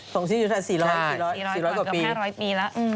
ส่งชื่ออยุธยา๔๐๐กว่าปีอืม๔๐๐กว่า๕๐๐ปีแล้ว